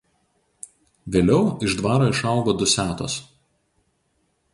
Vėliau iš dvaro išaugo Dusetos.